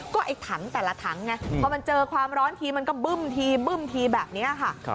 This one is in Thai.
ก็ไอ้ถังแต่ละถังไงพอมันเจอความร้อนทีมันก็บึ้มทีบึ้มทีแบบนี้ค่ะ